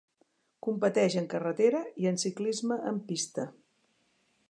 Competeix en carretera i en ciclisme en pista.